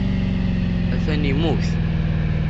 Atan immut.